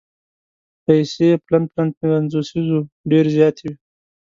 پیسې پلن پلن پنځوسیز وو ډېرې زیاتې وې.